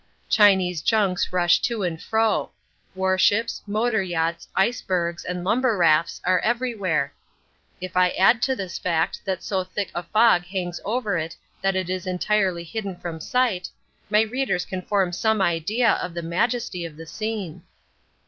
Chinese junks rush to and fro. Warships, motor yachts, icebergs, and lumber rafts are everywhere. If I add to this fact that so thick a fog hangs over it that it is entirely hidden from sight, my readers can form some idea of the majesty of the scene.